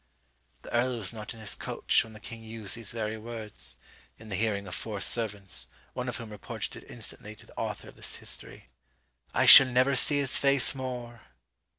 The earl was not in his coach when the king used these very words (in the hearing of four servants, one of whom reported it instantly to the author of this history), 'I shall never see his face more.'"